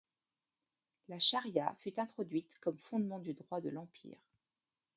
La charia fut introduite comme fondement du droit de l’empire.